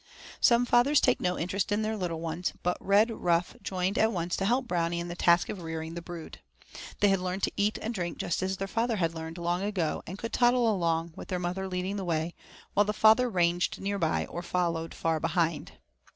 Some fathers take no interest in their little ones, but Redruff joined at once to help Brownie in the task of rearing the brood. They had learned to eat and drink just as their father had learned long ago, and could toddle along, with their mother leading the way, while the father ranged near by or followed far behind.